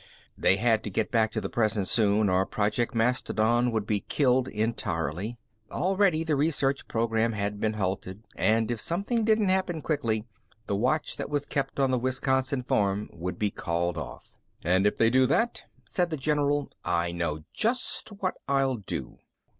They had to get back to the present soon or Project Mastodon would be killed entirely. Already the research program had been halted and if something didn't happen quickly, the watch that was kept on the Wisconsin farm would be called off. "And if they do that," said the general, "I know just what I'll do."